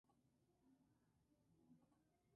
El lago Verdi es inusual en dos aspectos.